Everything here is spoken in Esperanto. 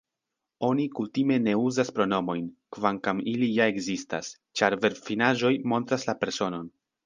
Oni kutime ne uzas pronomojn, kvankam ili ja ekzistas, ĉar verbfinaĵoj montras la personon.